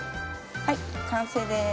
はい完成です。